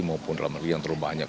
maupun dalam hal yang terlalu banyak